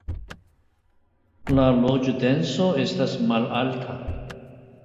La loĝdenso estas malalta.